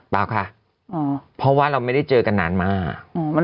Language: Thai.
เปล่าค่ะเพราะว่าเราไม่ได้เจอกันนานมาก